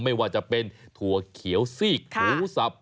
ไม่ว่าจะเป็นถั่วเขียวใส้กหูสับพริก